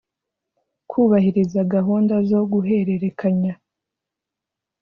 Kubahiriza gahunda zo guhererekanya.